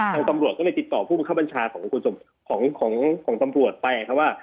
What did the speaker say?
ทางตำรวจก็เลยติดต่อผู้บัญชาของตำรวจไปว่า